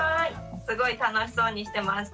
すごい楽しそうにしてました。